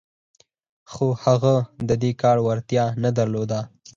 خو هغه د دې کار وړتيا نه درلوده.